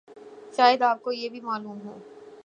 شاید آپ کو یہ بھی معلوم ہو